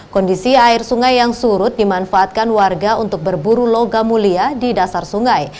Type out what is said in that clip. kondisi air sungai yang surut dimanfaatkan warga untuk berburu logam mulia di dasar sungai